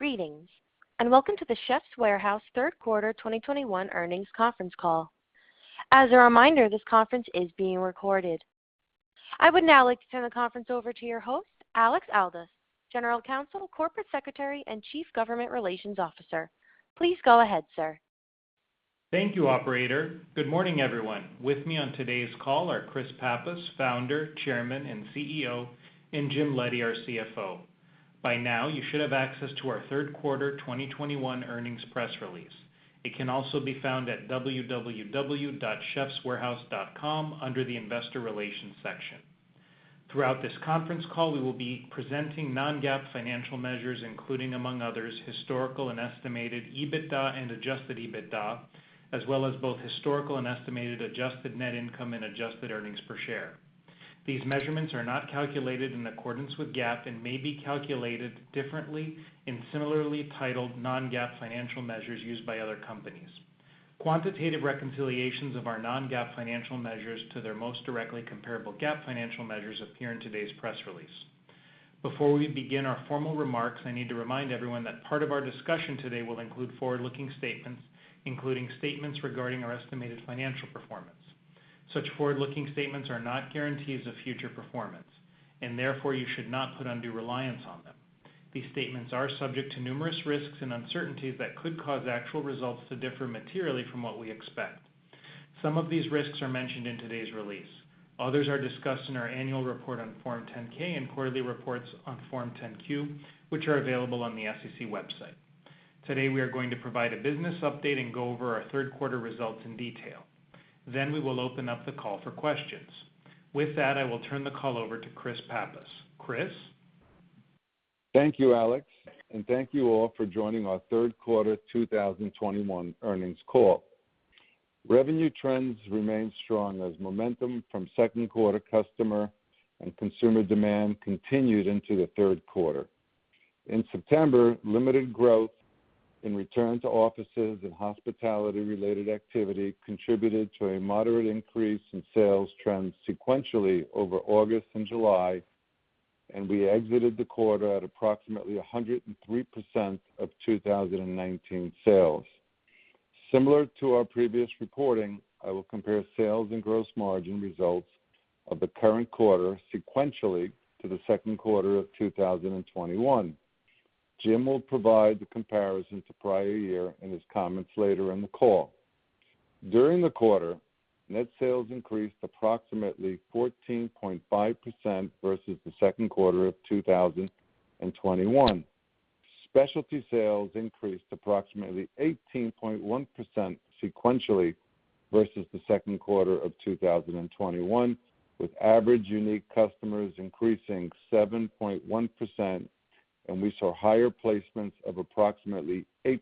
Greetings, and welcome to The Chefs' Warehouse third quarter 2021 earnings conference call. As a reminder, this conference is being recorded. I would now like to turn the conference over to your host, Alex Aldous, General Counsel, Corporate Secretary, and Chief Government Relations Officer. Please go ahead, sir. Thank you, operator. Good morning, everyone. With me on today's call are Chris Pappas, Founder, Chairman, and CEO, and Jim Leddy, our CFO. By now, you should have access to our third quarter 2021 earnings press release. It can also be found at www.chefswarehouse.com under the Investor Relations section. Throughout this conference call, we will be presenting non-GAAP financial measures, including among others, historical and estimated EBITDA and Adjusted EBITDA, as well as both historical and estimated adjusted net income and adjusted earnings per share. These measurements are not calculated in accordance with GAAP and may be calculated differently in similarly titled non-GAAP financial measures used by other companies. Quantitative reconciliations of our non-GAAP financial measures to their most directly comparable GAAP financial measures appear in today's press release. Before we begin our formal remarks, I need to remind everyone that part of our discussion today will include forward-looking statements, including statements regarding our estimated financial performance. Such forward-looking statements are not guarantees of future performance, and therefore, you should not put undue reliance on them. These statements are subject to numerous risks and uncertainties that could cause actual results to differ materially from what we expect. Some of these risks are mentioned in today's release. Others are discussed in our annual report on Form 10-K and quarterly reports on Form 10-Q, which are available on the SEC website. Today, we are going to provide a business update and go over our third quarter results in detail. Then we will open up the call for questions. With that, I will turn the call over to Chris Pappas. Chris? Thank you, Alex, and thank you all for joining our third quarter 2021 earnings call. Revenue trends remained strong as momentum from second quarter customer and consumer demand continued into the third quarter. In September, limited growth in return to offices and hospitality-related activity contributed to a moderate increase in sales trends sequentially over August and July, and we exited the quarter at approximately 103% of 2019 sales. Similar to our previous reporting, I will compare sales and gross margin results of the current quarter sequentially to the second quarter of 2021. Jim will provide the comparison to prior year in his comments later in the call. During the quarter, net sales increased approximately 14.5% versus the second quarter of 2021. Specialty sales increased approximately 18.1% sequentially versus the second quarter of 2021, with average unique customers increasing 7.1%, and we saw higher placements of approximately 8%.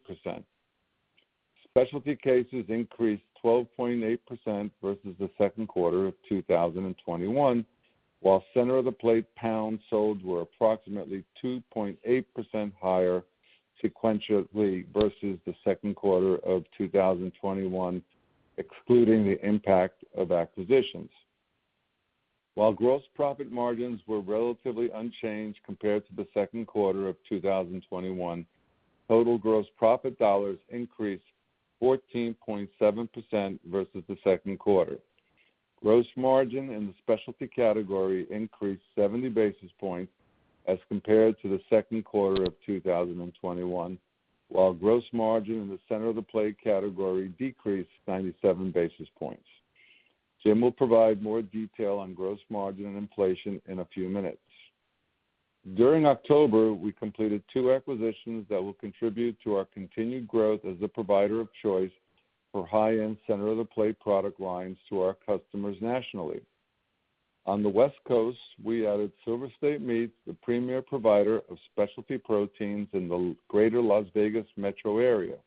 Specialty cases increased 12.8% versus the second quarter of 2021, while center of the plate pounds sold were approximately 2.8% higher sequentially versus the second quarter of 2021, excluding the impact of acquisitions. While gross profit margins were relatively unchanged compared to the second quarter of 2021, total gross profit dollars increased 14.7% versus the second quarter. Gross margin in the specialty category increased 70 basis points as compared to the second quarter of 2021, while gross margin in the center of the plate category decreased 97 basis points. Jim will provide more detail on gross margin and inflation in a few minutes. During October, we completed two acquisitions that will contribute to our continued growth as a provider of choice for high-end center of the plate product lines to our customers nationally. On the West Coast, we added Silver State Meats, the premier provider of specialty proteins in the greater Las Vegas metro area.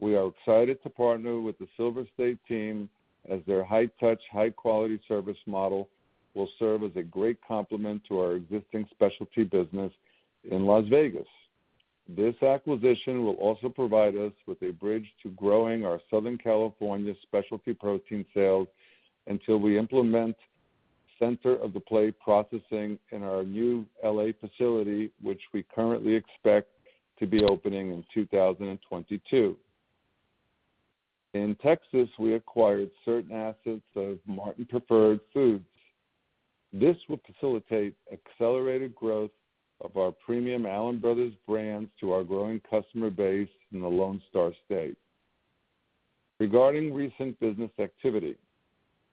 We are excited to partner with the Silver State team as their high touch, high-quality service model will serve as a great complement to our existing specialty business in Las Vegas. This acquisition will also provide us with a bridge to growing our Southern California specialty protein sales until we implement center of the plate processing in our new L.A. facility, which we currently expect to be opening in 2022. In Texas, we acquired certain assets of Martin Preferred Foods. This will facilitate accelerated growth of our premium Allen Brothers brands to our growing customer base in the Lone Star State. Regarding recent business activity,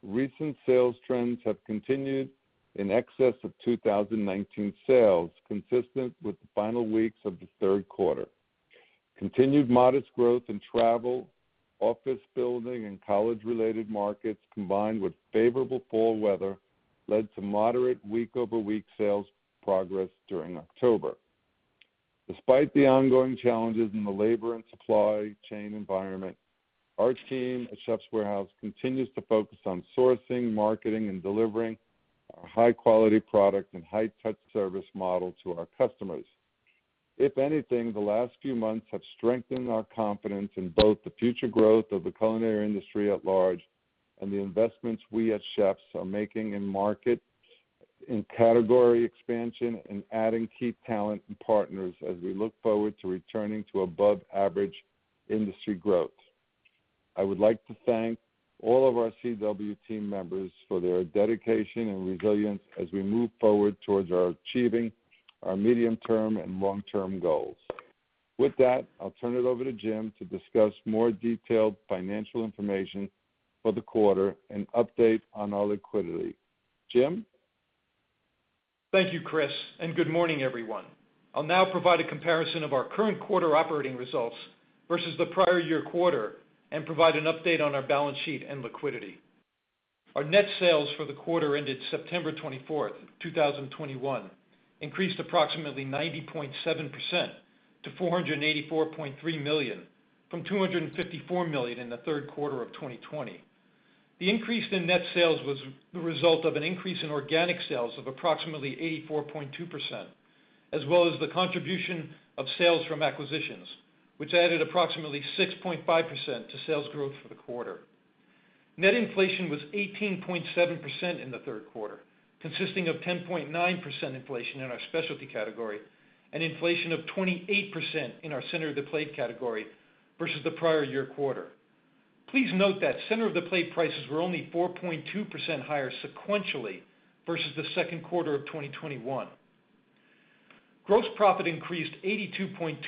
recent sales trends have continued in excess of 2019 sales, consistent with the final weeks of the third quarter. Continued modest growth in travel, office building, and college related markets, combined with favorable fall weather, led to moderate week-over-week sales progress during October. Despite the ongoing challenges in the labor and supply chain environment, our team at The Chefs' Warehouse continues to focus on sourcing, marketing, and delivering our high-quality product and high touch service model to our customers. If anything, the last few months have strengthened our confidence in both the future growth of the culinary industry at large and the investments we as chefs are making in market, in category expansion, and adding key talent and partners as we look forward to returning to above average industry growth. I would like to thank all of our CW team members for their dedication and resilience as we move forward toward achieving our medium-term and long-term goals. With that, I'll turn it over to Jim to discuss more detailed financial information for the quarter and update on our liquidity. Jim? Thank you, Chris, and good morning, everyone. I'll now provide a comparison of our current quarter operating results versus the prior year quarter and provide an update on our balance sheet and liquidity. Our net sales for the quarter ended September 24, 2021 increased approximately 90.7% to $484.3 million from $254 million in the third quarter of 2020. The increase in net sales was the result of an increase in organic sales of approximately 84.2%, as well as the contribution of sales from acquisitions, which added approximately 6.5% to sales growth for the quarter. Net inflation was 18.7% in the third quarter, consisting of 10.9% inflation in our specialty category and inflation of 28% in our center of the plate category versus the prior year quarter. Please note that center of the plate prices were only 4.2% higher sequentially versus the second quarter of 2021. Gross profit increased 82.2%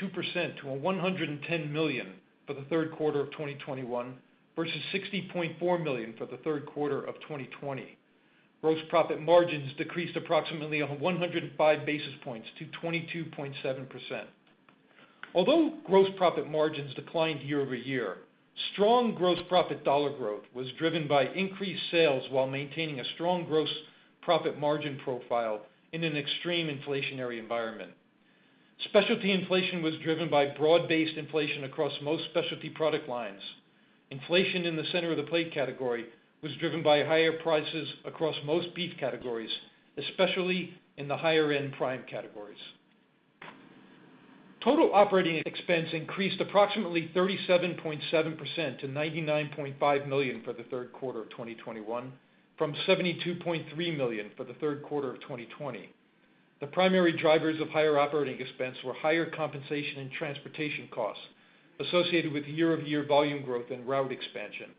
to $110 million for the third quarter of 2021 versus $60.4 million for the third quarter of 2020. Gross profit margins decreased approximately 105 basis points to 22.7%. Although gross profit margins declined year-over-year, strong gross profit dollar growth was driven by increased sales while maintaining a strong gross profit margin profile in an extreme inflationary environment. Specialty inflation was driven by broad-based inflation across most specialty product lines. Inflation in the center of the plate category was driven by higher prices across most beef categories, especially in the higher end prime categories. Total operating expense increased approximately 37.7% to $99.5 million for the third quarter of 2021 from $72.3 million for the third quarter of 2020. The primary drivers of higher operating expense were higher compensation and transportation costs associated with year-over-year volume growth and route expansion.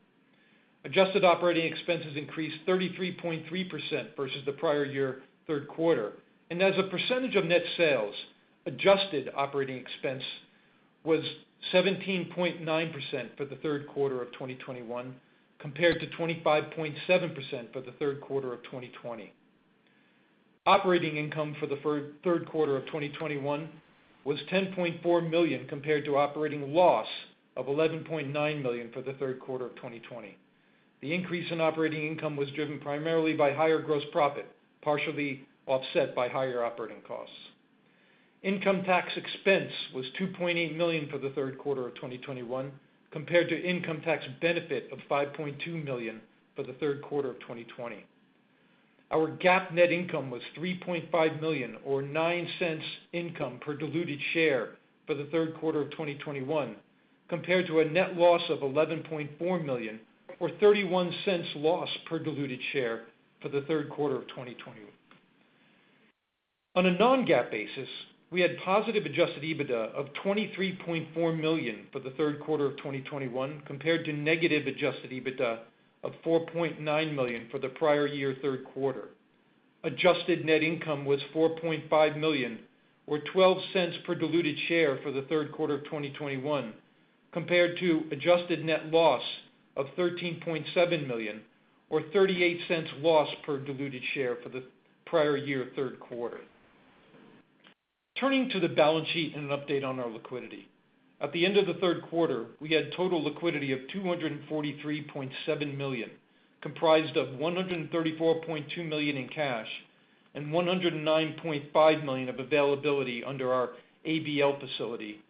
Adjusted operating expenses increased 33.3% versus the prior year third quarter. As a percentage of net sales, adjusted operating expense was 17.9% for the third quarter of 2021 compared to 25.7% for the third quarter of 2020. Operating income for the third quarter of 2021 was $10.4 million compared to operating loss of $11.9 million for the third quarter of 2020. The increase in operating income was driven primarily by higher gross profit, partially offset by higher operating costs. Income tax expense was $2.8 million for the third quarter of 2021 compared to income tax benefit of $5.2 million for the third quarter of 2020. Our GAAP net income was $3.5 million or $0.09 income per diluted share for the third quarter of 2021 compared to a net loss of $11.4 million or $0.31 loss per diluted share for the third quarter of 2020. On a non-GAAP basis, we had positive Adjusted EBITDA of $23.4 million for the third quarter of 2021 compared to negative Adjusted EBITDA of $4.9 million for the prior year third quarter. Adjusted net income was $4.5 million or $0.12 per diluted share for the third quarter of 2021 compared to adjusted net loss of $13.7 million or $0.38 loss per diluted share for the prior year third quarter. Turning to the balance sheet and an update on our liquidity. At the end of the third quarter, we had total liquidity of $243.7 million, comprised of $134.2 million in cash and $109.5 million of availability under our ABL facility.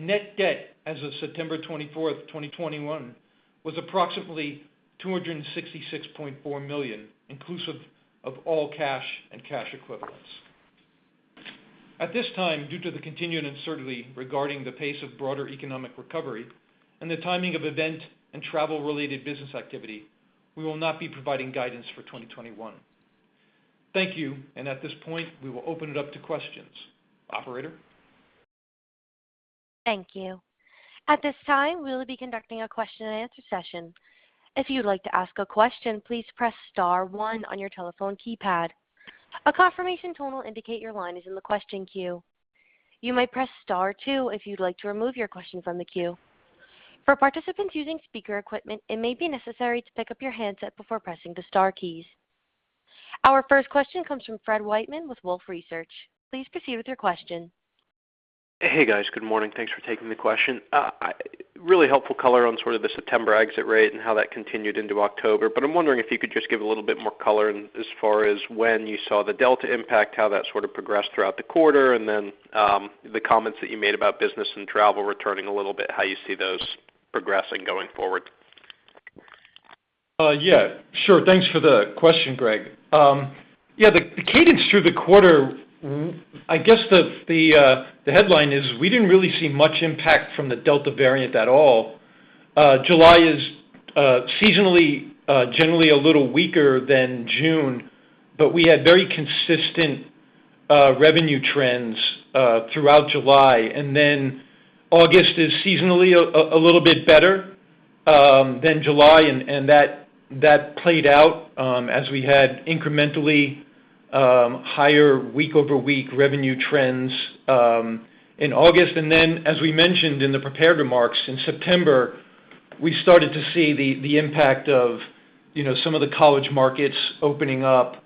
Net debt as of September 24, 2021 was approximately $266.4 million, inclusive of all cash and cash equivalents. At this time, due to the continued uncertainty regarding the pace of broader economic recovery and the timing of event and travel related business activity, we will not be providing guidance for 2021. Thank you. At this point, we will open it up to questions. Operator? Thank you. At this time, we'll be conducting a question and answer session. If you'd like to ask a question, please press star one on your telephone keypad. A confirmation tone will indicate your line is in the question queue. You may press star two if you'd like to remove your question from the queue. For participants using speaker equipment, it may be necessary to pick up your handset before pressing the star keys. Our first question comes from Fred Wightman with Wolfe Research. Please proceed with your question. Hey, guys. Good morning. Thanks for taking the question. Really helpful color on sort of the September exit rate and how that continued into October. I'm wondering if you could just give a little bit more color as far as when you saw the Delta impact, how that sort of progressed throughout the quarter, and then, the comments that you made about business and travel returning a little bit, how you see those progressing going forward. Yeah, sure. Thanks for the question, Greg. Yeah, the cadence through the quarter, I guess the headline is we didn't really see much impact from the Delta variant at all. July is seasonally generally a little weaker than June, but we had very consistent revenue trends throughout July. August is seasonally a little bit better than July, and that played out as we had incrementally higher week-over-week revenue trends in August. As we mentioned in the prepared remarks, in September, we started to see the impact of, you know, some of the college markets opening up.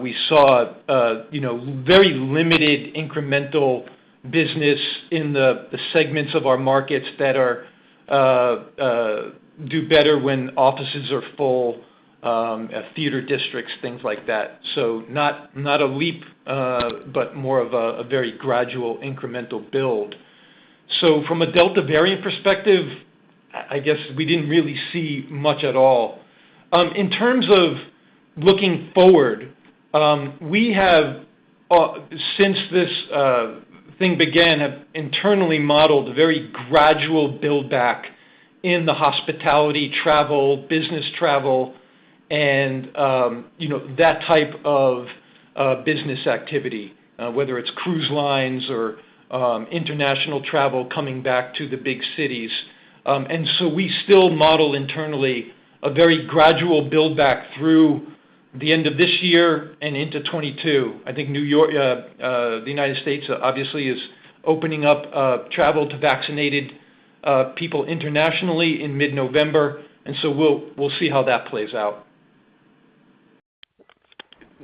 We saw, you know, very limited incremental business in the segments of our markets that do better when offices are full, theater districts, things like that. Not a leap, but more of a very gradual incremental build. From a Delta variant perspective, I guess we didn't really see much at all. In terms of looking forward, we have, since this thing began, have internally modeled a very gradual build-back in the hospitality, travel, business travel, and, you know, that type of business activity, whether it's cruise lines or international travel coming back to the big cities. We still model internally a very gradual build-back through the end of this year and into 2022. I think New York... The United States obviously is opening up travel to vaccinated people internationally in mid-November, and so we'll see how that plays out.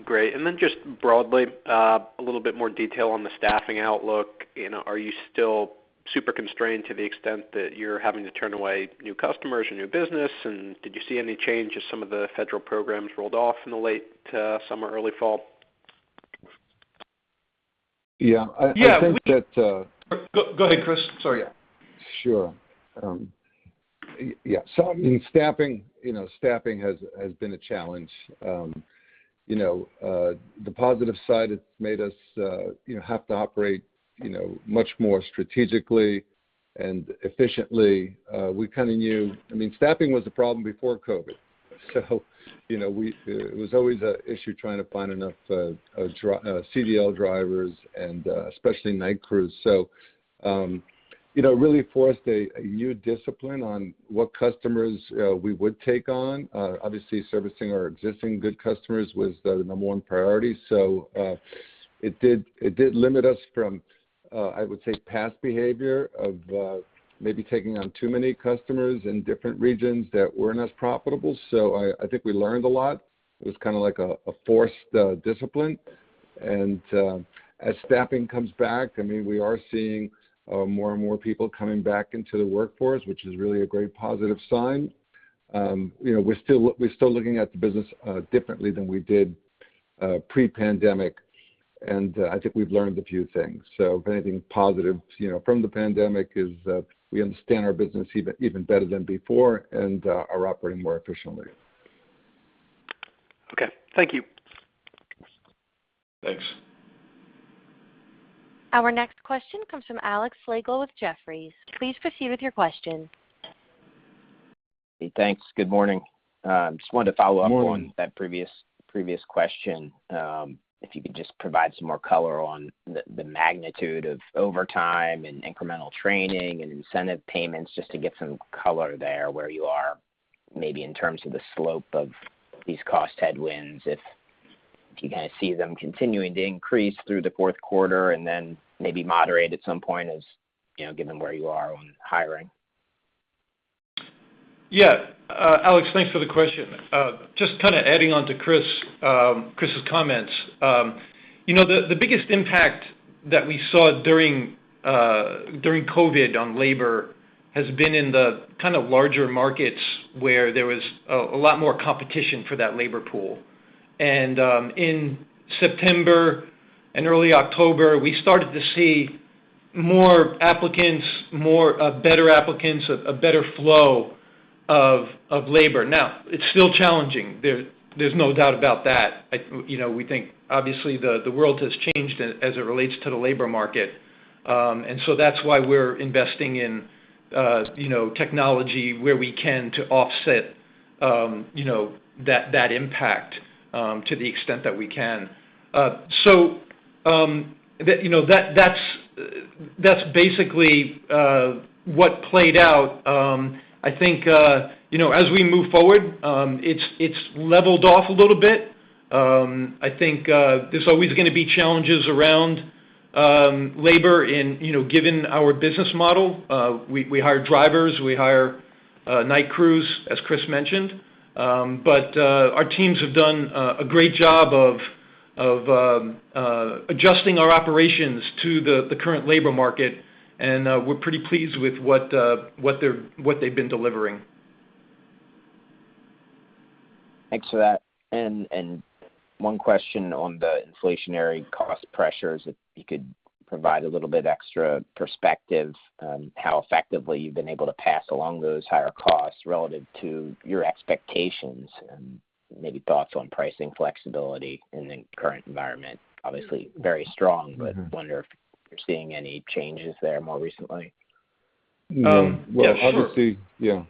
Great. Then just broadly, a little bit more detail on the staffing outlook. You know, are you still super constrained to the extent that you're having to turn away new customers or new business? Did you see any change as some of the federal programs rolled off in the late summer, early fall? Yeah. I think that, Yeah. Go ahead, Chris. Sorry, yeah. Sure. Yeah. I mean, staffing has been a challenge. You know, on the positive side, it's made us, you know, have to operate, you know, much more strategically and efficiently. We kind of knew. I mean, staffing was a problem before COVID. You know, it was always an issue trying to find enough CDL drivers and especially night crews. You know, it really forced a new discipline on what customers we would take on. Obviously, servicing our existing good customers was the number one priority. It did limit us from, I would say, past behavior of maybe taking on too many customers in different regions that weren't as profitable. I think we learned a lot. It was kinda like a forced discipline. As staffing comes back, I mean, we are seeing more and more people coming back into the workforce, which is really a great positive sign. You know, we're still looking at the business differently than we did pre-pandemic, and I think we've learned a few things. If anything positive from the pandemic is that we understand our business even better than before and are operating more efficiently. Okay. Thank you. Thanks. Our next question comes from Alex Slagle with Jefferies. Please proceed with your question. Hey, thanks. Good morning. Just wanted to follow up. Good morning.... on that previous question. If you could just provide some more color on the magnitude of overtime and incremental training and incentive payments, just to get some color there where you are, maybe in terms of the slope of these cost headwinds. If you kinda see them continuing to increase through the fourth quarter and then maybe moderate at some point as, you know, given where you are on hiring? Yeah. Alex, thanks for the question. Just kinda adding on to Chris's comments. You know, the biggest impact that we saw during COVID on labor has been in the kind of larger markets where there was a lot more competition for that labor pool. In September and early October, we started to see more applicants, better applicants, a better flow of labor. Now, it's still challenging. There's no doubt about that. You know, we think obviously the world has changed as it relates to the labor market. That's why we're investing in technology where we can to offset that impact to the extent that we can. You know, that's basically what played out. I think, you know, as we move forward, it's leveled off a little bit. I think, there's always gonna be challenges around labor, you know, given our business model. We hire drivers, we hire night crews, as Chris mentioned. Our teams have done a great job of adjusting our operations to the current labor market, and we're pretty pleased with what they've been delivering. Thanks for that. One question on the inflationary cost pressures, if you could provide a little bit extra perspective on how effectively you've been able to pass along those higher costs relative to your expectations and maybe thoughts on pricing flexibility in the current environment. Obviously very strong, but I wonder if you're seeing any changes there more recently. Yeah, sure. Well, obviously, yeah.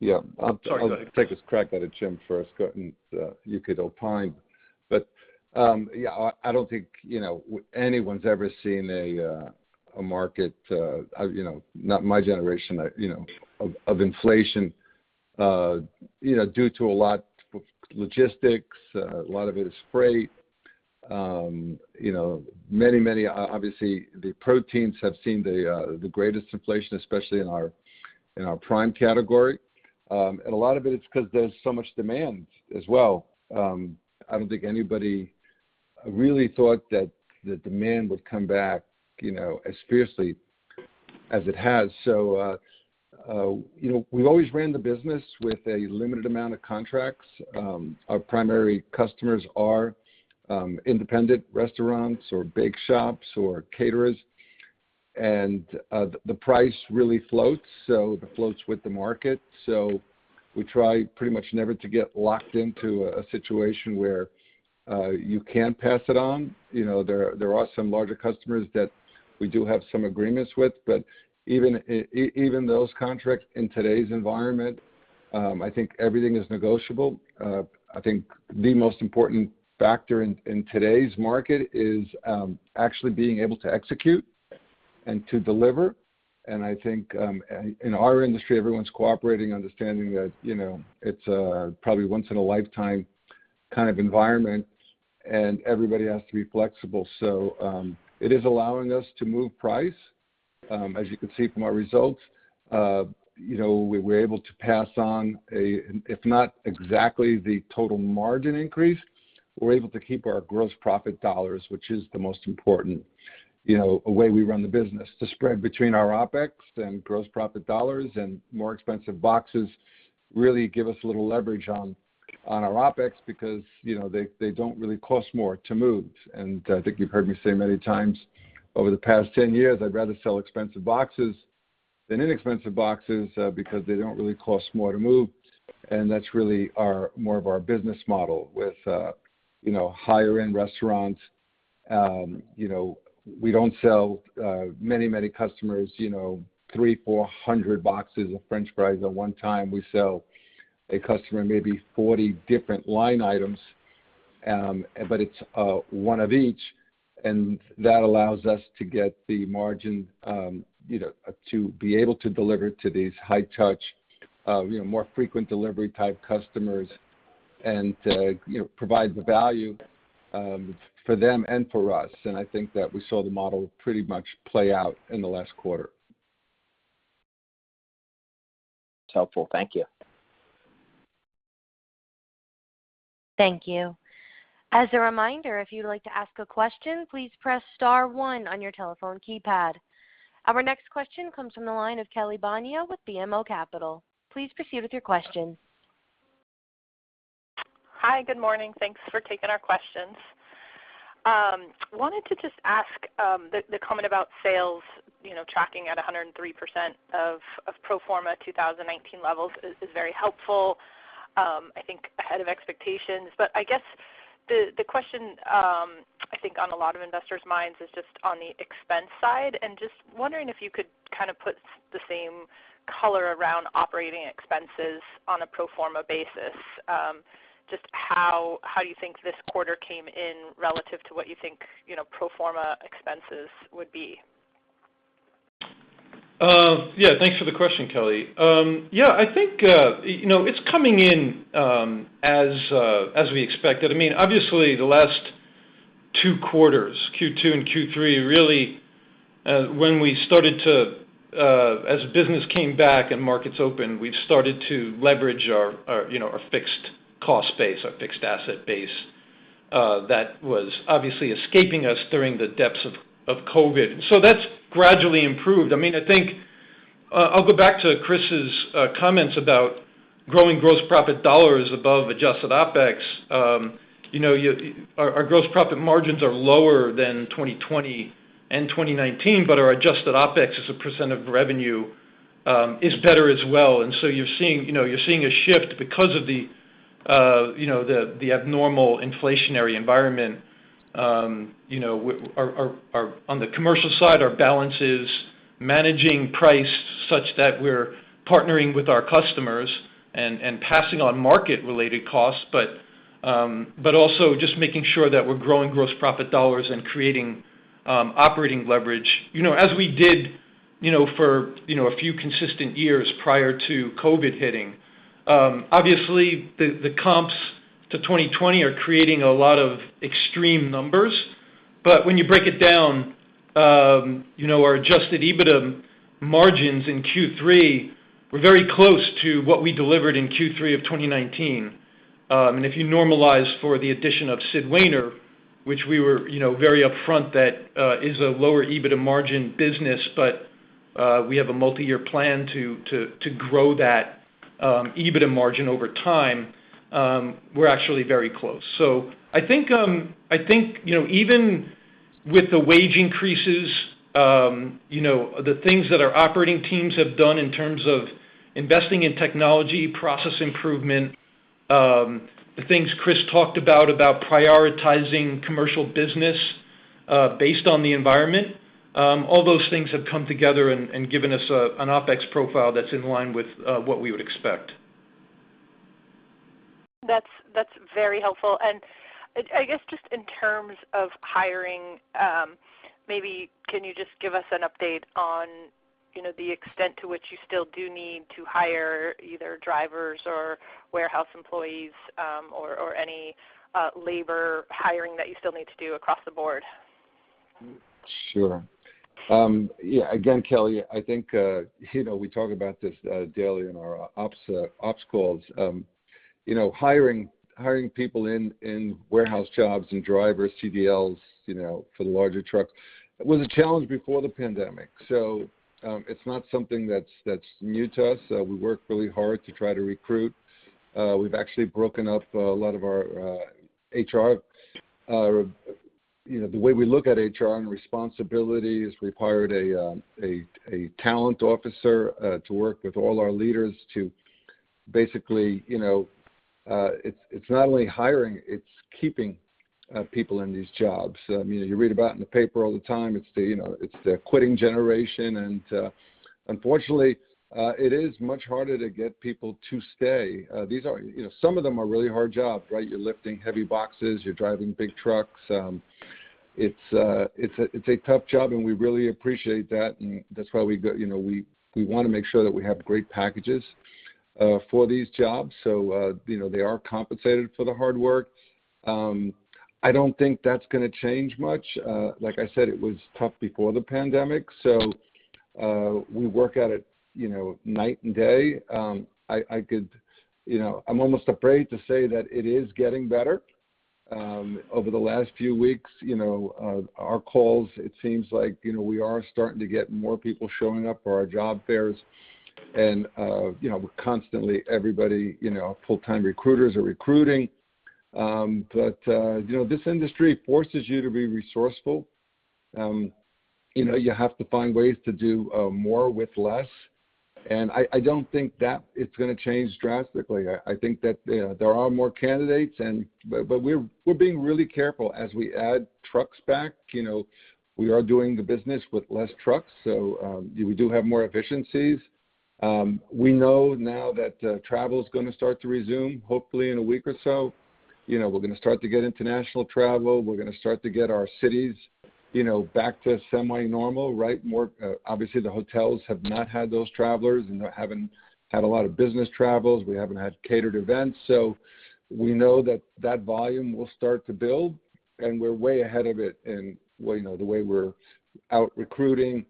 Yeah. I'll take a crack at it, Jim, first, and you could opine. Yeah, I don't think, you know, anyone's ever seen a market, you know, not in my generation, you know, of inflation, you know, due to a lot of logistics. A lot of it is freight. You know, many, obviously, the proteins have seen the greatest inflation, especially in our prime category. A lot of it is because there's so much demand as well. I don't think anybody really thought that the demand would come back, you know, as fiercely as it has. You know, we've always ran the business with a limited amount of contracts. Our primary customers are independent restaurants or bake shops or caterers. The price really floats, so it floats with the market. We try pretty much never to get locked into a situation where you can't pass it on. You know, there are some larger customers that we do have some agreements with. But even those contracts in today's environment, I think everything is negotiable. I think the most important factor in today's market is actually being able to execute and to deliver. I think in our industry, everyone's cooperating, understanding that, you know, it's a probably once in a lifetime kind of environment and everybody has to be flexible. It is allowing us to move price. As you can see from our results, you know, we were able to pass on, if not exactly, the total margin increase. We're able to keep our gross profit dollars, which is the most important, you know, way we run the business. The spread between our OpEx and gross profit dollars and more expensive boxes really give us a little leverage on our OpEx because, you know, they don't really cost more to move. I think you've heard me say many times over the past 10 years, I'd rather sell expensive boxes than inexpensive boxes because they don't really cost more to move. That's really more of our business model with, you know, higher end restaurants. You know, we don't sell to many customers, you know, 300-400 boxes of french fries at one time. We sell a customer maybe 40 different line items. It's one of each. That allows us to get the margin, you know, to be able to deliver to these high touch, you know, more frequent delivery type customers and to, you know, provide the value for them and for us. I think that we saw the model pretty much play out in the last quarter. It's helpful. Thank you. Thank you. As a reminder, if you'd like to ask a question, please press star one on your telephone keypad. Our next question comes from the line of Kelly Bania with BMO Capital. Please proceed with your question. Hi. Good morning. Thanks for taking our questions. Wanted to just ask, the comment about sales, you know, tracking at 103% of pro forma 2019 levels is very helpful, I think ahead of expectations. I guess the question, I think on a lot of investors' minds is just on the expense side and just wondering if you could kind of put the same color around operating expenses on a pro forma basis, just how you think this quarter came in relative to what you think, you know, pro forma expenses would be. Yeah, thanks for the question, Kelly. Yeah, I think, you know, it's coming in as we expected. I mean, obviously the last two quarters, Q2 and Q3, really, when we started to, as business came back and markets opened, we've started to leverage our fixed cost base, our fixed asset base that was obviously eluding us during the depths of COVID. That's gradually improved. I mean, I think, I'll go back to Chris's comments about growing gross profit dollars above adjusted OpEx. You know, our gross profit margins are lower than 2020 and 2019, but our adjusted OpEx as a percent of revenue is better as well. You're seeing a shift because of the abnormal inflationary environment. You know, on the commercial side, our buyers are managing price such that we're partnering with our customers and passing on market related costs. also just making sure that we're growing gross profit dollars and creating operating leverage. You know, as we did for a few consistent years prior to COVID hitting. Obviously the comps to 2020 are creating a lot of extreme numbers. When you break it down, you know, our Adjusted EBITDA margins in Q3 were very close to what we delivered in Q3 of 2019. If you normalize for the addition of Sid Wainer, which we were, you know, very upfront that, is a lower EBITDA margin business, but we have a multi-year plan to grow that EBITDA margin over time. We're actually very close. I think you know, even with the wage increases, you know, the things that our operating teams have done in terms of investing in technology, process improvement, the things Chris talked about prioritizing commercial business, based on the environment, all those things have come together and given us an OpEx profile that's in line with what we would expect. That's very helpful. I guess just in terms of hiring, maybe can you just give us an update on, you know, the extent to which you still do need to hire either drivers or warehouse employees, or any labor hiring that you still need to do across the board? Sure. Yeah, again, Kelly, I think, you know, we talk about this daily in our ops calls. You know, hiring people in warehouse jobs and drivers, CDLs, you know, for the larger truck was a challenge before the pandemic. It's not something that's new to us. We work really hard to try to recruit. We've actually broken up a lot of our HR. You know, the way we look at HR and responsibilities required a talent officer to work with all our leaders to basically, you know. It's not only hiring, it's keeping people in these jobs. I mean, you read about it in the paper all the time, you know, it's the quitting generation. Unfortunately, it is much harder to get people to stay. These are, you know, some of them are really hard jobs, right? You're lifting heavy boxes, you're driving big trucks. It's a tough job, and we really appreciate that, and that's why you know, we wanna make sure that we have great packages for these jobs. You know, they are compensated for the hard work. I don't think that's gonna change much. Like I said, it was tough before the pandemic, we work at it, you know, night and day. You know, I'm almost afraid to say that it is getting better. Over the last few weeks, you know, our calls, it seems like, you know, we are starting to get more people showing up for our job fairs and, you know, constantly everybody, you know, full-time recruiters are recruiting. You know, this industry forces you to be resourceful. You know, you have to find ways to do more with less. I don't think that it's gonna change drastically. I think that, you know, there are more candidates and we're being really careful as we add trucks back. You know, we are doing the business with less trucks, so we do have more efficiencies. We know now that travel is gonna start to resume hopefully in a week or so. You know, we're gonna start to get international travel. We're gonna start to get our cities, you know, back to semi-normal, right? Obviously, the hotels have not had those travelers, and they haven't had a lot of business travels. We haven't had catered events. We know that that volume will start to build, and we're way ahead of it in, well, you know, the way we're out recruiting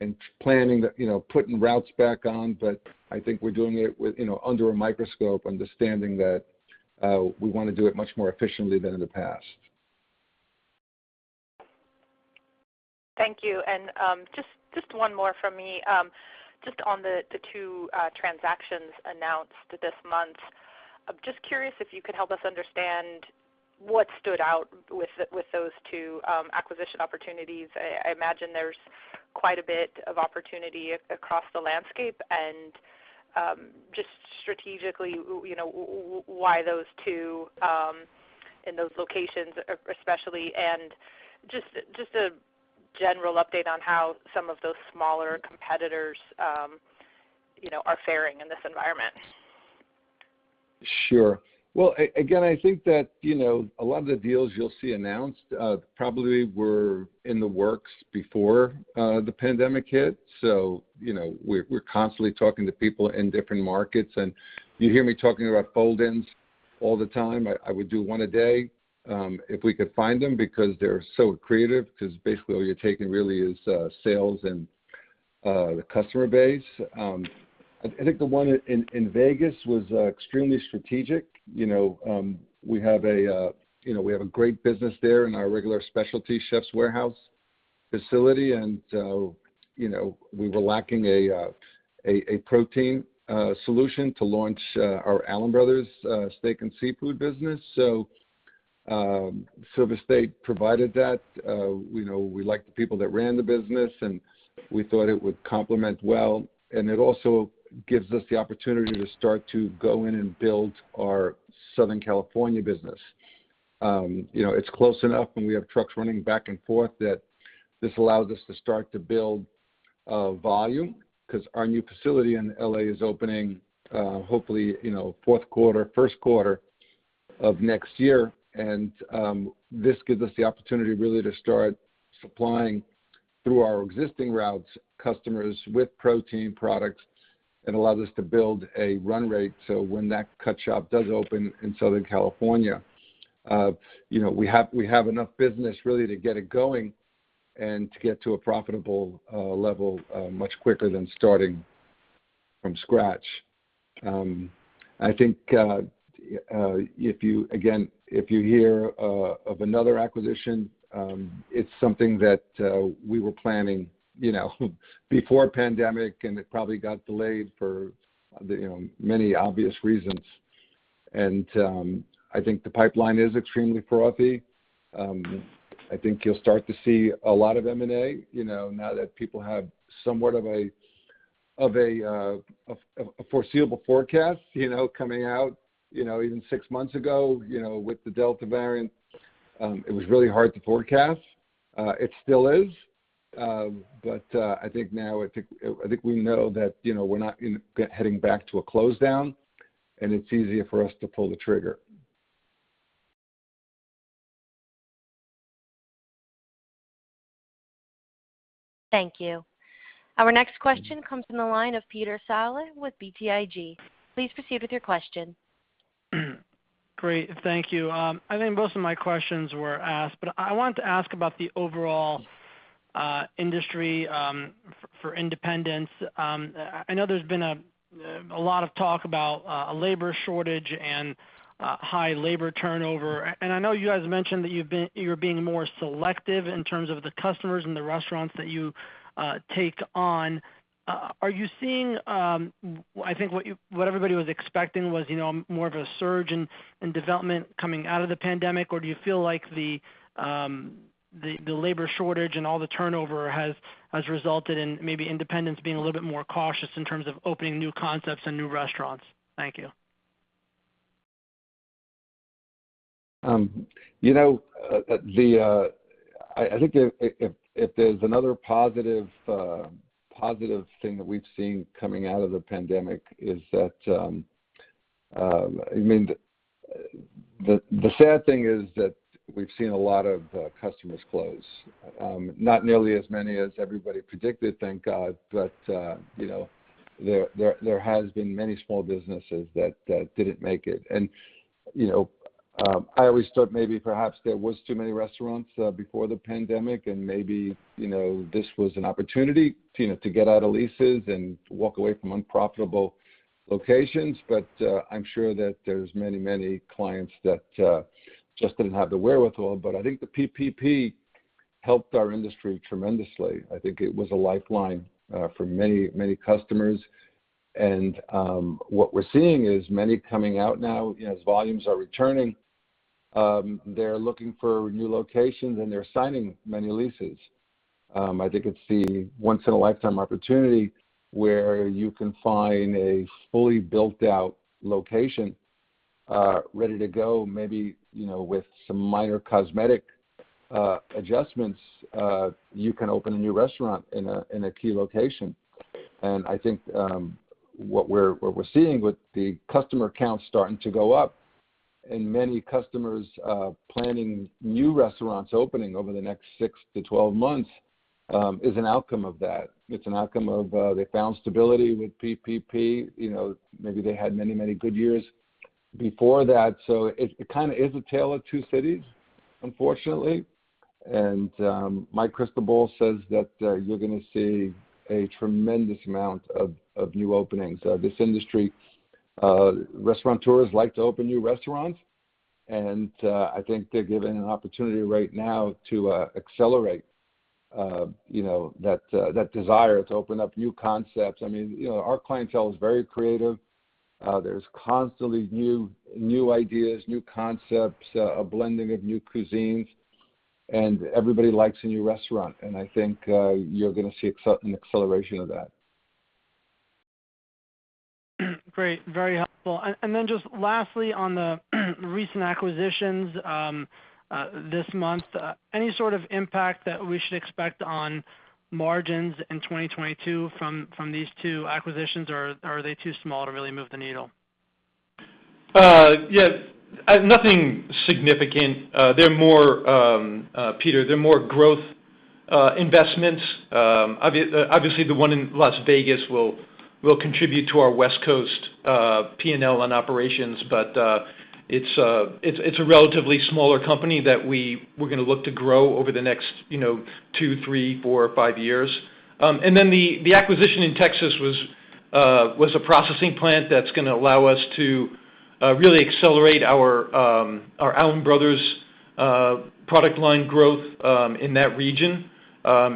and planning, you know, putting routes back on. I think we're doing it with, you know, under a microscope, understanding that, we wanna do it much more efficiently than in the past. Thank you. Just one more from me. Just on the two transactions announced this month. I'm just curious if you could help us understand what stood out with those two acquisition opportunities. I imagine there's quite a bit of opportunity across the landscape and just strategically, you know, why those two in those locations especially, and just a general update on how some of those smaller competitors, you know, are faring in this environment. Sure. Well, again, I think that, you know, a lot of the deals you'll see announced probably were in the works before the pandemic hit. You know, we're constantly talking to people in different markets. You hear me talking about fold-ins all the time. I would do one a day if we could find them because they're so creative, because basically all you're taking really is sales and the customer base. I think the one in Vegas was extremely strategic. You know, we have a great business there in our regular specialty Chefs' Warehouse facility. You know, we were lacking a protein solution to launch our Allen Brothers Steak and Seafood business. Silver State provided that. You know, we like the people that ran the business, and we thought it would complement well. It also gives us the opportunity to start to go in and build our Southern California business. You know, it's close enough, and we have trucks running back and forth, that this allows us to start to build volume because our new facility in L.A. is opening, hopefully, you know, fourth quarter, first quarter of next year. This gives us the opportunity really to start supplying through our existing routes, customers with protein products and allows us to build a run rate. When that cut shop does open in Southern California, you know, we have enough business really to get it going and to get to a profitable level much quicker than starting from scratch. I think if you, again, if you hear of another acquisition, it's something that we were planning, you know, before pandemic, and it probably got delayed for the, you know, many obvious reasons. I think the pipeline is extremely frothy. I think you'll start to see a lot of M&A, you know, now that people have somewhat of a foreseeable forecast, you know, coming out, you know, even six months ago, you know, with the Delta variant, it was really hard to forecast. It still is. I think we know that, you know, we're not heading back to a close down, and it's easier for us to pull the trigger. Thank you. Our next question comes from the line of Peter Saleh with BTIG. Please proceed with your question. Great. Thank you. I think most of my questions were asked, but I wanted to ask about the overall industry for independents. I know there's been a lot of talk about a labor shortage and high labor turnover. And I know you guys mentioned that you're being more selective in terms of the customers and the restaurants that you take on. Are you seeing? Well, I think what everybody was expecting was, you know, more of a surge in development coming out of the pandemic or do you feel like the labor shortage and all the turnover has resulted in maybe independents being a little bit more cautious in terms of opening new concepts and new restaurants? Thank you. You know, I think if there's another positive thing that we've seen coming out of the pandemic is that, I mean, the sad thing is that we've seen a lot of customers close. Not nearly as many as everybody predicted, thank God, but you know, there has been many small businesses that didn't make it. I always thought maybe perhaps there was too many restaurants before the pandemic and maybe this was an opportunity to get out of leases and walk away from unprofitable locations. I'm sure that there's many clients that just didn't have the wherewithal. I think the PPP helped our industry tremendously. I think it was a lifeline for many, many customers. What we're seeing is many coming out now, as volumes are returning, they're looking for new locations, and they're signing many leases. I think it's the once in a lifetime opportunity where you can find a fully built out location, ready to go, maybe, you know, with some minor cosmetic adjustments, you can open a new restaurant in a key location. I think what we're seeing with the customer counts starting to go up and many customers planning new restaurants opening over the next six to 12 months is an outcome of that. It's an outcome of they found stability with PPP. You know, maybe they had many, many good years before that. It kinda is a tale of two cities, unfortunately. My crystal ball says that you're gonna see a tremendous amount of new openings. This industry, restaurateurs like to open new restaurants, and I think they're given an opportunity right now to accelerate you know that desire to open up new concepts. I mean, you know, our clientele is very creative. There's constantly new ideas, new concepts, a blending of new cuisines, and everybody likes a new restaurant. I think you're gonna see an acceleration of that. Great. Very helpful. Just lastly, on the recent acquisitions this month, any sort of impact that we should expect on margins in 2022 from these two acquisitions, or are they too small to really move the needle? Yeah. Nothing significant. Peter, they're more growth investments. Obviously, the one in Las Vegas will contribute to our West Coast P&L on operations, but it's a relatively smaller company that we're gonna look to grow over the next, you know, two, three, four, five years. Then the acquisition in Texas was a processing plant that's gonna allow us to really accelerate our Allen Brothers product line growth in that region. That's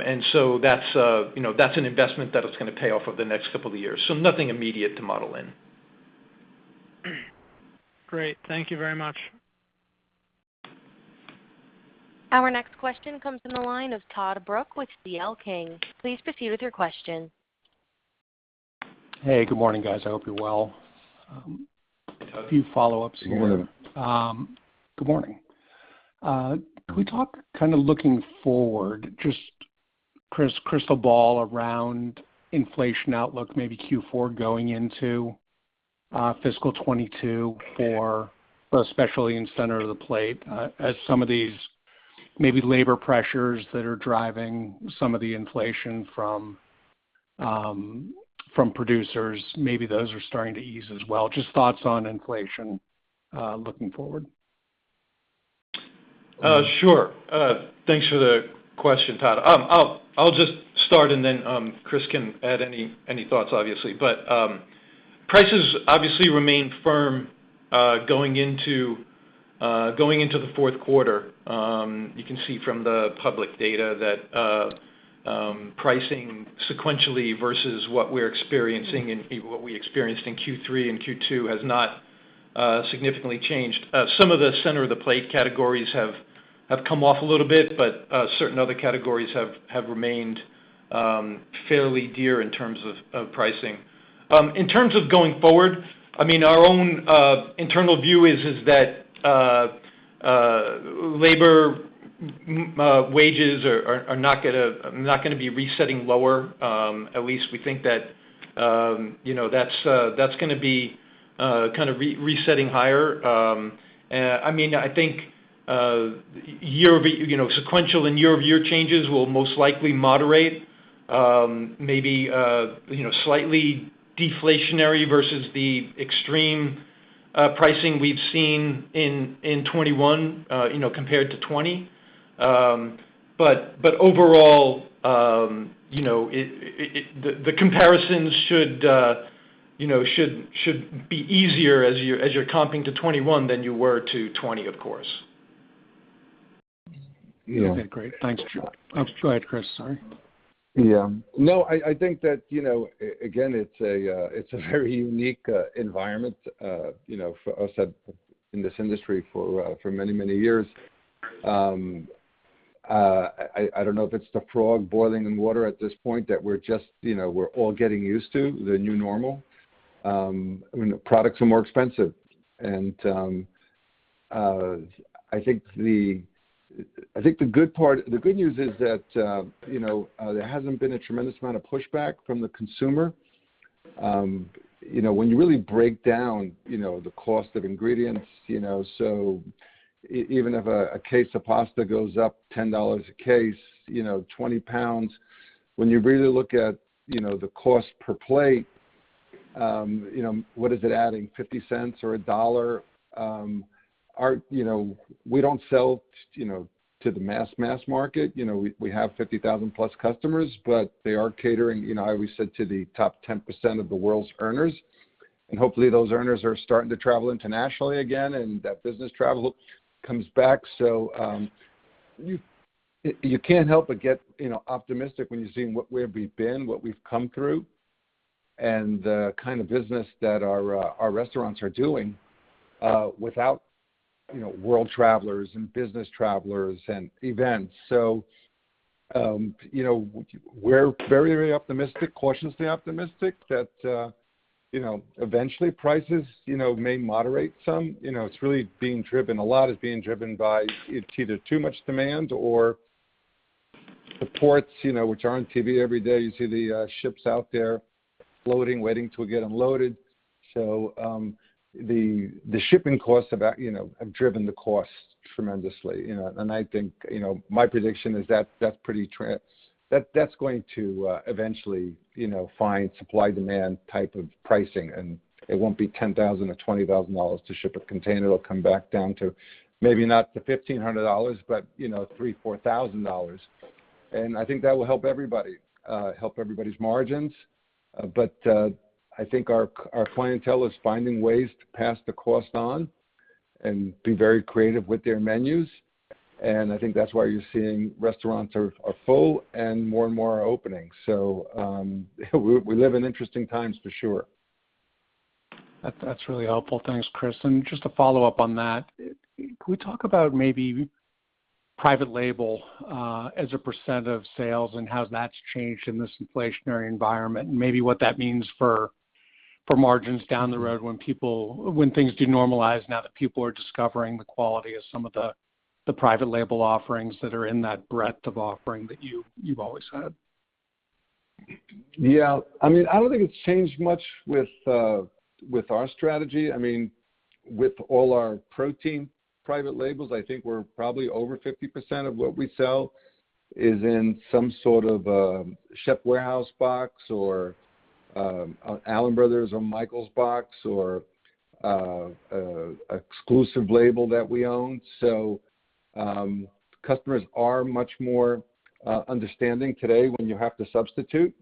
an investment that is gonna pay off over the next couple of years. Nothing immediate to model in. Great. Thank you very much. Our next question comes from the line of Todd Brooks with C.L. King & Associates. Please proceed with your question. Hey, good morning, guys. I hope you're well. Good morning. A few follow-ups here. Good morning. Can we talk kind of looking forward, just crystal ball around inflation outlook, maybe Q4 going into fiscal 2022 for, well, especially in center of the plate, as some of these maybe labor pressures that are driving some of the inflation from producers, maybe those are starting to ease as well. Just thoughts on inflation looking forward. Sure. Thanks for the question, Todd. I'll just start, and then Chris can add any thoughts, obviously. Prices obviously remain firm, going into the fourth quarter. You can see from the public data that pricing sequentially versus what we're experiencing and even what we experienced in Q3 and Q2 has not significantly changed. Some of the center of the plate categories have come off a little bit, but certain other categories have remained fairly dear in terms of pricing. In terms of going forward, I mean, our own internal view is that labor wages are not gonna be resetting lower. At least we think that, you know, that's gonna be kind of resetting higher. I mean, I think, you know, sequential and year-over-year changes will most likely moderate, maybe, you know, slightly deflationary versus the extreme pricing we've seen in 2021, you know, compared to 2020. Overall, you know, the comparisons should, you know, be easier as you're comping to 2021 than you were to 2020, of course. Yeah. Okay, great. Thanks, Jim. Oh, go ahead, Chris. Sorry. No, I think that, you know, again, it's a very unique environment, you know, for us in this industry for many years. I don't know if it's the frog boiling in water at this point that we're just, you know, we're all getting used to the new normal. I mean, the products are more expensive and I think the good part, the good news is that, you know, there hasn't been a tremendous amount of pushback from the consumer. You know, when you really break down, you know, the cost of ingredients, you know, so even if a case of pasta goes up $10 a case, you know, 20 lbs, when you really look at, you know, the cost per plate, you know, what is it adding? $0.50 or $1? Our, you know, we don't sell, you know, to the mass market. You know, we have 50,000+ customers, but they are catering, you know, I always said, to the top 10% of the world's earners. Hopefully, those earners are starting to travel internationally again, and that business travel comes back. You can't help but get, you know, optimistic when you're seeing where we've been, what we've come through, and the kind of business that our restaurants are doing, without, you know, world travelers and business travelers and events. You know, we're very, very optimistic, cautiously optimistic that, you know, eventually prices, you know, may moderate some. You know, it's really being driven, a lot is being driven by it's either too much demand or the ports, you know, which are on TV every day. You see the ships out there floating, waiting to get unloaded. The shipping costs have, you know, driven the costs tremendously, you know. I think, you know, my prediction is that that's pretty trendy. That's going to eventually, you know, find supply-demand type of pricing. It won't be $10,000 or $20,000 to ship a container. It'll come back down to maybe not to $1,500, but, you know, $3,000-$4,000. I think that will help everybody, help everybody's margins. But, I think our clientele is finding ways to pass the cost on and be very creative with their menus. I think that's why you're seeing restaurants are full and more and more are opening. We live in interesting times for sure. That's really helpful. Thanks, Chris. Just to follow up on that, could we talk about maybe private label as a percent of sales and how that's changed in this inflationary environment? Maybe what that means for margins down the road when things do normalize now that people are discovering the quality of some of the private label offerings that are in that breadth of offering that you've always had. Yeah. I mean, I don't think it's changed much with our strategy. I mean, with all our protein private labels, I think we're probably over 50% of what we sell is in some sort of Chefs' Warehouse box or Allen Brothers or Michael's box or a exclusive label that we own. So, customers are much more understanding today when you have to substitute.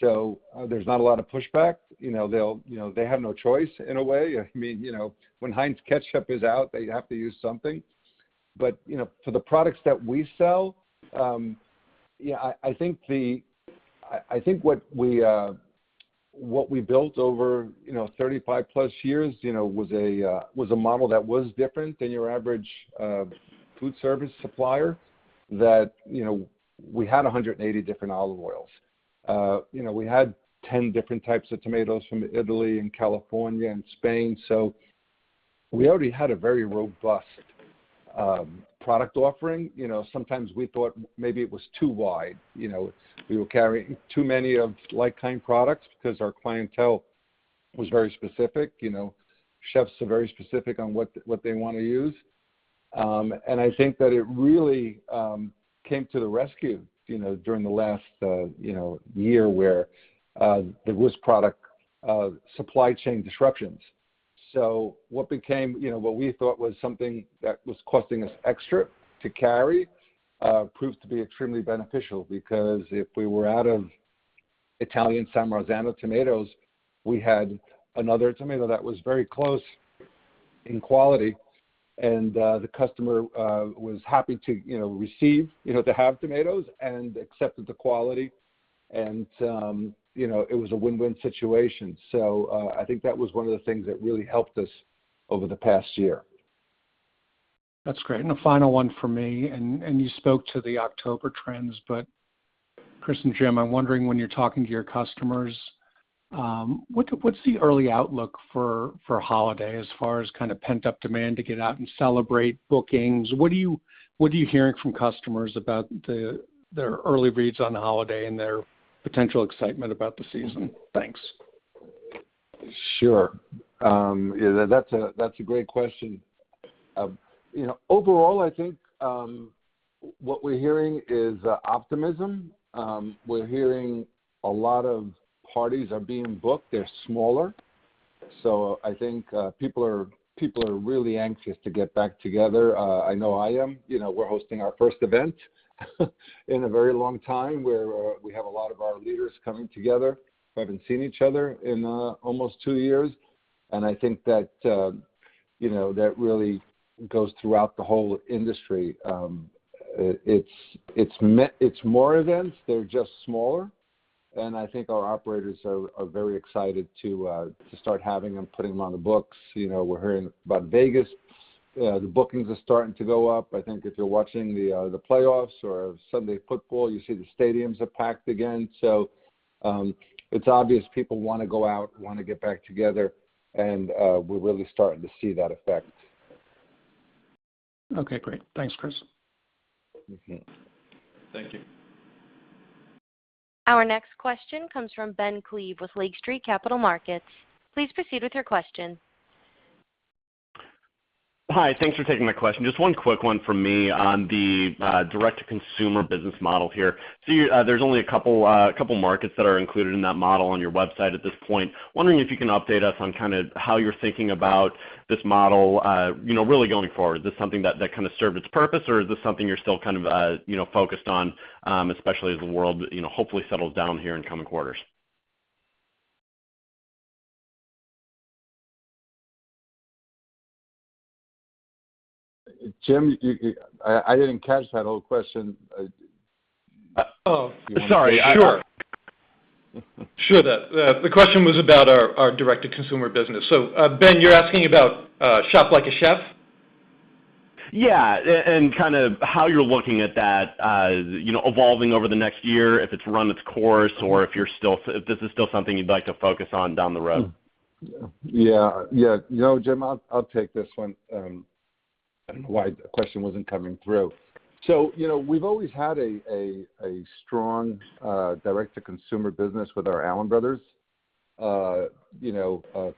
So, there's not a lot of pushback. You know, they'll, you know, they have no choice in a way. I mean, you know, when Heinz Ketchup is out, they have to use something. You know, for the products that we sell, yeah, I think what we built over 35+ years was a model that was different than your average food service supplier that we had 180 different olive oils. You know, we had 10 different types of tomatoes from Italy and California and Spain, so we already had a very robust product offering. You know, sometimes we thought maybe it was too wide. You know, we were carrying too many of like-kind products because our clientele was very specific. You know, chefs are very specific on what they wanna use. I think that it really came to the rescue, you know, during the last year where there was product supply chain disruptions. What became, you know, what we thought was something that was costing us extra to carry proved to be extremely beneficial, because if we were out of Italian San Marzano tomatoes, we had another tomato that was very close in quality, and the customer was happy to, you know, receive, you know, to have tomatoes, and accepted the quality and, you know, it was a win-win situation. I think that was one of the things that really helped us over the past year. That's great. A final one from me, and you spoke to the October trends, but Chris and Jim, I'm wondering when you're talking to your customers, what's the early outlook for holiday as far as kind of pent-up demand to get out and celebrate bookings? What are you hearing from customers about their early reads on the holiday and their potential excitement about the season? Thanks. Sure. That's a great question. You know, overall, I think what we're hearing is optimism. We're hearing a lot of parties are being booked. They're smaller. I think people are really anxious to get back together. I know I am. You know, we're hosting our first event in a very long time, where we have a lot of our leaders coming together who haven't seen each other in almost two years. I think that you know, that really goes throughout the whole industry. It's more events, they're just smaller. I think our operators are very excited to start having and putting them on the books. You know, we're hearing about Vegas, the bookings are starting to go up. I think if you're watching the playoffs or Sunday football, you see the stadiums are packed again. It's obvious people wanna go out, wanna get back together and we're really starting to see that effect. Okay, great. Thanks, Chris. Mm-hmm. Thank you. Our next question comes from Ben Klieve with Lake Street Capital Markets. Please proceed with your question. Hi. Thanks for taking my question. Just one quick one from me on the direct to consumer business model here. There's only a couple markets that are included in that model on your website at this point. Wondering if you can update us on kinda how you're thinking about this model, you know, really going forward. Is this something that kinda served its purpose, or is this something you're still kind of, you know, focused on, especially as the world, you know, hopefully settles down here in coming quarters? Jim, I didn't catch that whole question. Oh, sorry. Sure. Sure. The question was about our direct to consumer business. Ben, you're asking about Shop Like a Chef? Yeah. Kind of how you're looking at that as, you know, evolving over the next year, if it's run its course or if you're still if this is still something you'd like to focus on down the road. Yeah. You know, Jim, I'll take this one. I don't know why the question wasn't coming through. You know, we've always had a strong direct to consumer business with our Allen Brothers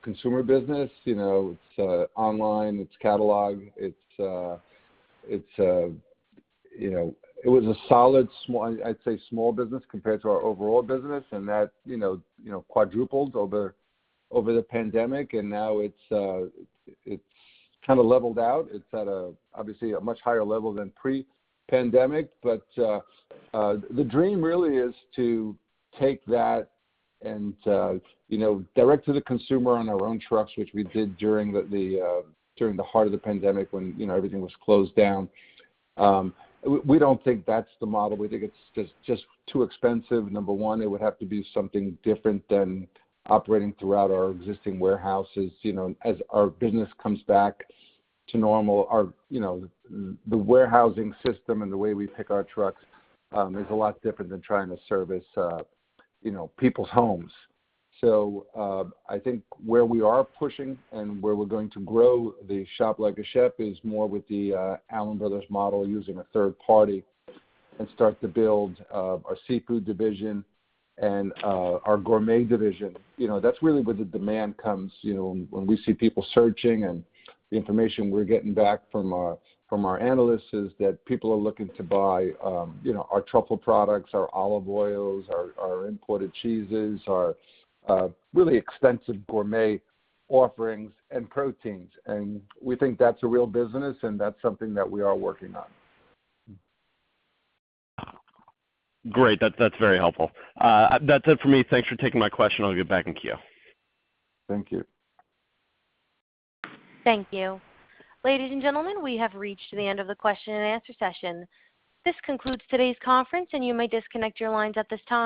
consumer business. You know, it's online, it's catalog, you know. It was a solid, I'd say, small business compared to our overall business and that quadrupled over the pandemic, and now it's kind of leveled out. It's at obviously a much higher level than pre-pandemic. The dream really is to take that and direct to the consumer on our own trucks, which we did during the heart of the pandemic when you know everything was closed down. We don't think that's the model. We think it's just too expensive. Number one, it would have to be something different than operating throughout our existing warehouses. You know, as our business comes back to normal, you know, the warehousing system and the way we pick our trucks is a lot different than trying to service you know, people's homes. I think where we are pushing and where we're going to grow the Shop Like a Chef is more with the Allen Brothers model, using a third party and start to build our Seafood division and our gourmet division. You know, that's really where the demand comes, you know, when we see people searching and the information we're getting back from our analysts is that people are looking to buy, you know, our truffle products, our olive oils, our imported cheeses, our really expensive gourmet offerings and proteins. We think that's a real business, and that's something that we are working on. Great. That's very helpful. That's it for me. Thanks for taking my question. I'll give it back in queue. Thank you. Thank you. Ladies and gentlemen, we have reached the end of the question and answer session. This concludes today's conference, and you may disconnect your lines at this time.